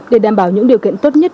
để đảm bảo những điều kiện tốt nhất